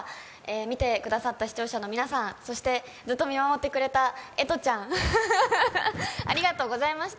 見てくださった視聴者の皆さん、そしてずっと見守ってくださったえとちゃんありがとうございました。